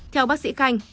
theo bác sĩ khanh